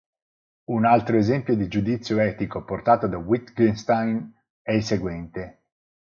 Un altro esempio di giudizio etico portato da Wittgenstein è il seguente.